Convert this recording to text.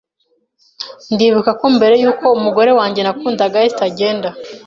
ndibuka ko mbere yuko umugore wanjye nakundaga Ester agenda